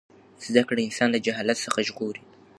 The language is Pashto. زده کړه انسان له جهالت څخه ژغوري.